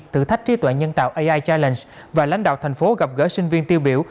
tử thách trí tuệ nhân tạo ai challenge và lãnh đạo thành phố gặp gỡ sinh viên tiêu biểu